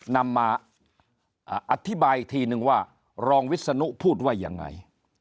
นำมาอธิบายทีหนึ่งว่ารองวิศนุพูดว่าอย่างไร